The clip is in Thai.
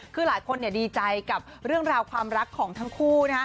คือหลายคนดีใจกับเรื่องราวความรักของทั้งคู่นะฮะ